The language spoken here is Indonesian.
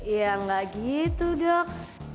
ya nggak gitu dok